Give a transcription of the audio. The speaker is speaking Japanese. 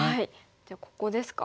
じゃあここですか？